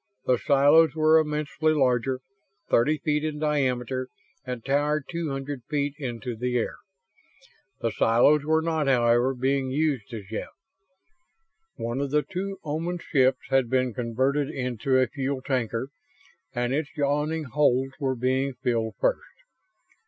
The silos were immensely larger thirty feet in diameter and towering two hundred feet into the air. The silos were not, however, being used as yet. One of the two Oman ships had been converted into a fuel tanker and its yawning holds were being filled first.